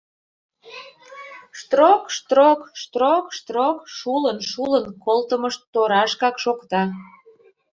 Штрок-штрок, штрок-штрок шулын-шулын колтымышт торашкак шокта.